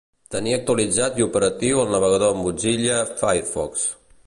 Tenir actualitzat i operatiu el navegador Mozilla Firefox.